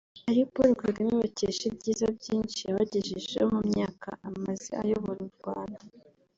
ari Paul Kagame bakesha ibyiza byinshi yabagejejeho mu myaka amaze ayobora u Rwanda